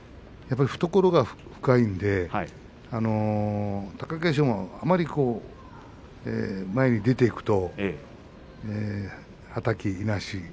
懐が深いので貴景勝もあまり前に出ていくとはたき、いなし